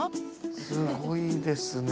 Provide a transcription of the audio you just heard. すごいですね。